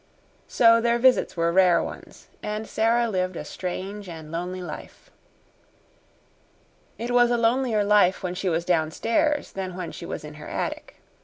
So their visits were rare ones, and Sara lived a strange and lonely life. It was a lonelier life when she was downstairs than when she was in her attic.